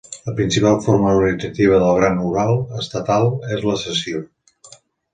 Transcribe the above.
La principal forma organitzativa del Gran Hural Estatal és la sessió.